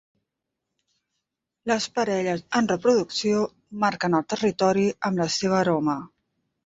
Les parelles en reproducció marquen el territori amb la seva aroma.